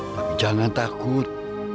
tapi jangan takut